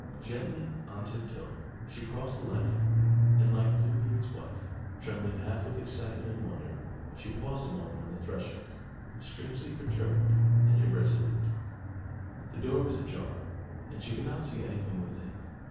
Gently, on tip toe, she crossed the landing and, like Blue Beard's wife, trembling half with excitement and wonder, she paused a moment on the threshold, strangely perturbed and irresolute. The door was ajar, and she could not see anything within.